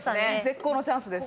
絶好のチャンスです。